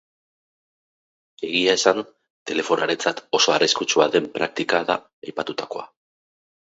Egia esan, telefonoarentzat oso arriskutsua den praktika da aipatutakoa.